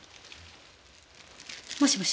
もしもし？